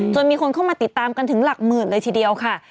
มีคนเข้ามาติดตามกันถึงหลักหมื่นเลยทีเดียวค่ะ